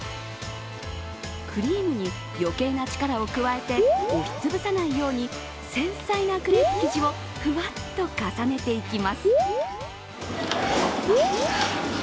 クリームに余計な力を加えて押しつぶさないように繊細なクレープ生地をふわっと重ねていきます。